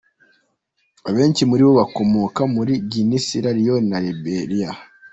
Abenshi muri bo bakomoka muri Guinea, Sierra Leone na Liberia.